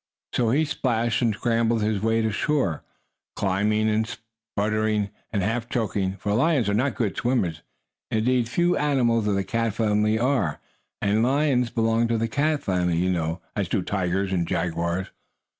So he splashed and scrambled his way to shore, clawing and spluttering and half choking, for lions are not good swimmers. Indeed few animals of the cat family are, and lions belong to the cat family, you know, as do tigers and jaguars.